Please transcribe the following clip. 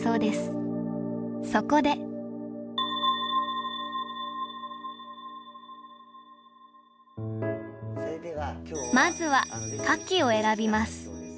そこでまずは花器を選びます。